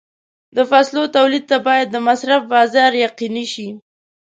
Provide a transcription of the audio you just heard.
د فصلو تولید ته باید د مصرف بازار یقیني شي.